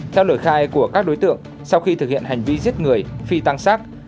theo lời khai của các đối tượng sau khi thực hiện hành vi giết người phi tăng sát